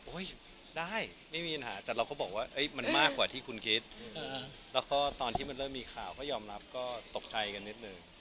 ได้ไม่มีปัญหาแต่เราก็บอกว่ามันมากกว่าที่คุณคิดแล้วก็ตอนที่มันเริ่มมีข่าวก็ยอมรับก็ตกใจกันนิดนึง